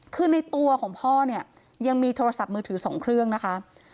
คือในตัวของพ่อเนี่ยยังมีโทรศัพท์มือถือ๒เครื่องนะคะ